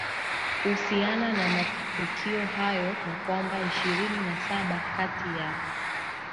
usiana na matukio hayo na kwamba ishirini na saba kati yao